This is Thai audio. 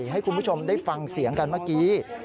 ให้คุณผู้ชมได้ฟังเสียงกันเมื่อกี้